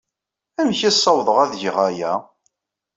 Amek ay ssawḍeɣ ad geɣ aya?